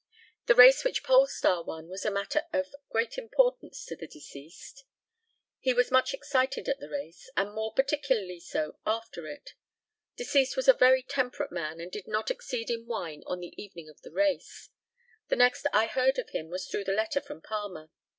The race which Polestar won was a matter of very great importance to the deceased. He was much excited at the race, and more particularly so after it. Deceased was a very temperate man, and did not exceed in wine on the evening of the race. The next I heard of him was through the letter from Palmer.